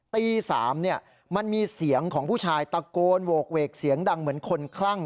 ตี๓มันมีเสียงของผู้ชายตะโกนโหกเวกเสียงดังเหมือนคนคลั่ง